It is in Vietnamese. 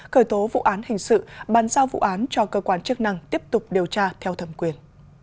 cởi tố vụ án hình sự bàn giao vụ án cho cơ quan chức năng tiếp tục điều tra theo thẩm quyền